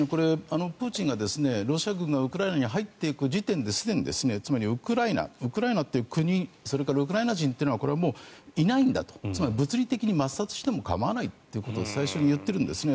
プーチンが、ロシア軍がウクライナに入っていく時点ですでにつまりウクライナという国それからウクライナ人というのはこれはいないんだと物理的に抹殺しても構わないと最初に言っているんですね。